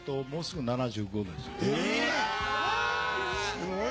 すごい。